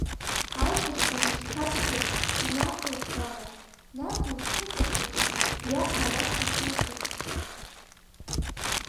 Аибашьра мышьҭацәгьа инахәлабгама, наҟ инцәыҵахәаҽны, уаҳа арахь изымхынҳәӡо?!